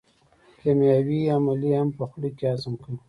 کیمیاوي عملیې هم په خوله کې هضم کوي.